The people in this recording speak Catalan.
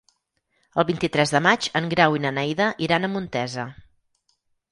El vint-i-tres de maig en Grau i na Neida iran a Montesa.